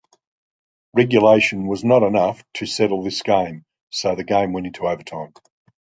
Regulation was not enough to settle this game, so the game went into overtime.